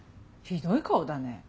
ひどい顔だね。